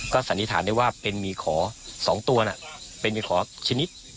ก็สันนิษฐานได้ว่าเป็นมีขอสองตัวน่ะเป็นมีขอชนิด